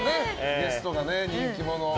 ゲストがね人気者。